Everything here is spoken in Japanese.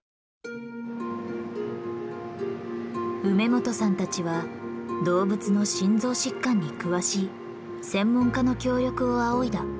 梅元さんたちは動物の心臓疾患に詳しい専門家の協力を仰いだ。